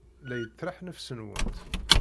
La yettraḥ nnefs-nwent.